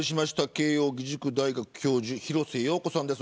慶応義塾大学教授廣瀬陽子さんです。